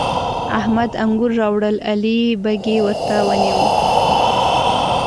احمد انګور راوړل؛ علي بږۍ ورته ونيو.